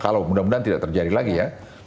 kalau mudah mudahan tidak terjadi lagi ya